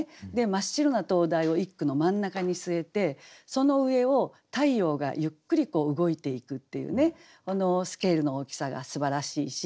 真っ白な灯台を一句の真ん中に据えてその上を太陽がゆっくり動いていくっていうねこのスケールの大きさがすばらしいし。